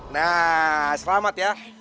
nah selamat ya